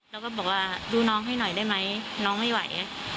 เราก็บอกว่าดูน้องให้หน่อยได้ไหมน้องไม่ไหว